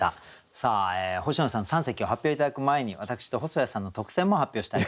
さあ星野さん三席を発表頂く前に私と細谷さんの特選も発表したいと思います。